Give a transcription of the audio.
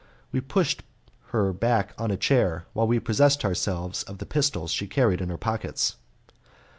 We pushed her back on a chair while we possessed ourselves of the pistols she carried in her pockets.